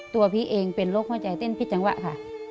พี่เองเป็นโรคหัวใจเต้นผิดจังหวะค่ะ